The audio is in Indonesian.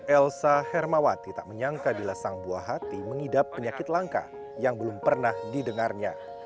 elsa hermawati tak menyangka bila sang buah hati mengidap penyakit langka yang belum pernah didengarnya